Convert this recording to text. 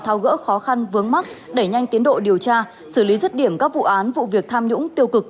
thao gỡ khó khăn vướng mắt đẩy nhanh tiến độ điều tra xử lý rứt điểm các vụ án vụ việc tham nhũng tiêu cực